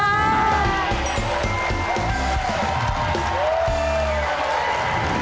สวัสดีครับ